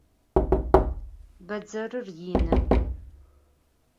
Badzerır yinı.